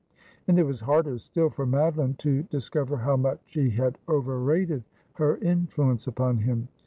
And it was harder still for Madoline to dis cover how much she had overrated her influence upon him.